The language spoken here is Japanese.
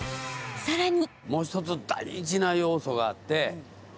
さらに。